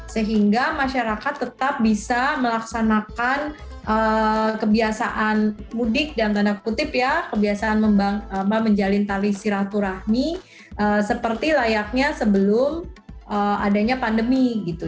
sehingga masyarakat tetap bisa melaksanakan kebiasaan mudik dan kebiasaan membalikkan tali silaturahmi seperti layaknya sebelum adanya pandemi